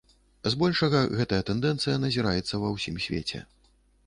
Збольшага гэтая тэндэнцыя назіраецца ва ўсім свеце.